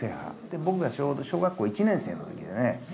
僕がちょうど小学校１年生のときでね。